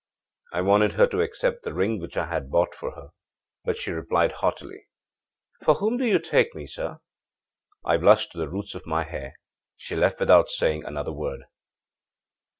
âI wanted her to accept the ring which I had bought for her, but she replied haughtily: 'For whom do you take me, sir?' I blushed to the roots of my hair. She left without saying another word.